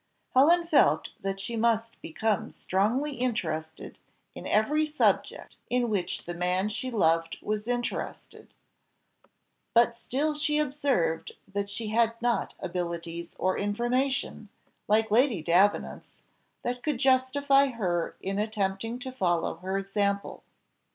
Helen felt that she must become strongly interested in every subject in which the man she loved was interested; but still she observed that she had not abilities or information, like Lady Davenant's, that could justify her in attempting to follow her example.